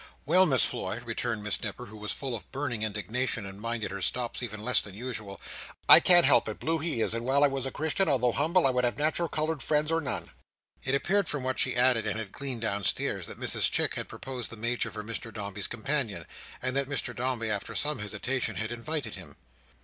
"Well, Miss Floy," returned Miss Nipper, who was full of burning indignation, and minded her stops even less than usual. "I can't help it, blue he is, and while I was a Christian, although humble, I would have natural coloured friends, or none." It appeared from what she added and had gleaned downstairs, that Mrs Chick had proposed the Major for Mr Dombey's companion, and that Mr Dombey, after some hesitation, had invited him.